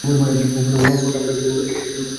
বুড়িচং উপজেলার দক্ষিণাংশে ময়নামতি ইউনিয়নের অবস্থান।